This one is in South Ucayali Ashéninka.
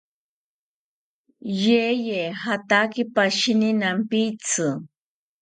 Yeye jataki pashini nampitzi